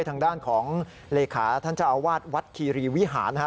ทางด้านของเลขาท่านเจ้าอาวาสวัดคีรีวิหารนะฮะ